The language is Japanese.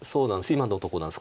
今のとこなんです。